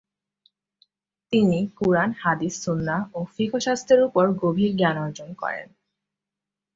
তিনি কুরআন, হাদিস, সুন্নাহ ও ফিকহ শাস্ত্রের উপর গভীর জ্ঞানার্জন করেন।